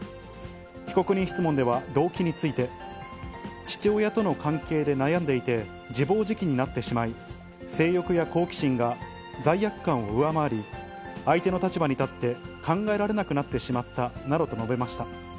被告人質問では動機について、父親との関係で悩んでいて、自暴自棄になってしまい、性欲や好奇心が罪悪感を上回り、相手の立場に立って考えられなくなってしまったなどと述べました。